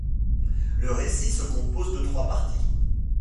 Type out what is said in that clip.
Le récit se compose de trois parties.